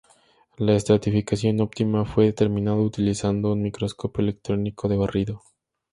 La estratificación óptima fue determinada utilizando un microscopio electrónico de barrido.